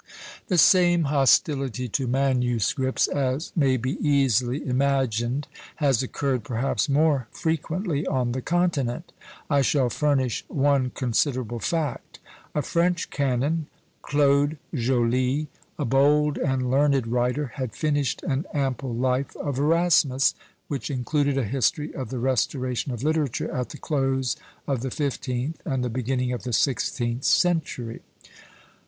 The same hostility to manuscripts, as may be easily imagined, has occurred, perhaps more frequently, on the continent. I shall furnish one considerable fact. A French canon, Claude Joly, a bold and learned writer, had finished an ample life of Erasmus, which included a history of the restoration of literature at the close of the fifteenth and the beginning of the sixteenth century.